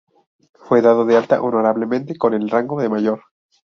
Fue dado de alta honorablemente con el rango de mayor.